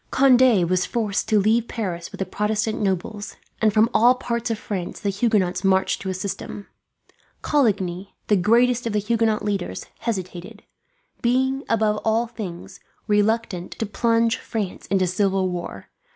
Conde was forced to leave Paris with the Protestant nobles, and from all parts of France the Huguenots marched to assist him. Coligny, the greatest of the Huguenot leaders, hesitated; being, above all things, reluctant to plunge France into civil war.